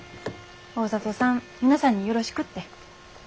大里さん皆さんによろしくって。